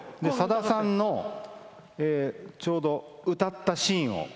さださんのちょうど歌ったシーン